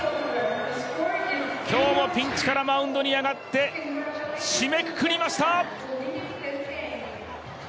今日もピンチからマウンドに上がって締めくくりました！